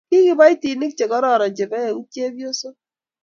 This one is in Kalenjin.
kikiboitinik chekororon chebo eut chebyosok.